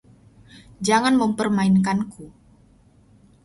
Jangan mempermainkanku.